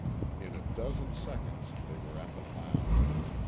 In a dozen seconds they were at the mound.